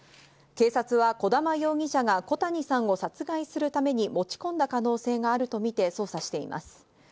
警察は児玉容疑者が小谷さんを殺害するために持ち込んだ可能性があるとみて捜査しています。